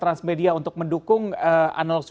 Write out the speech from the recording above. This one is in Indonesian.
transmedia untuk mendukung analog